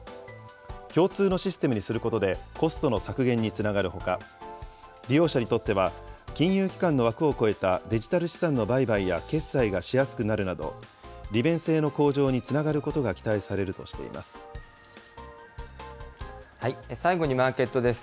共通のシステムにすることで、コストの削減につながるほか、利用者にとっては金融機関の枠を超えたデジタル資産の売買や決済がしやすくなるなど、利便性の向上につながることが期待されるとしています。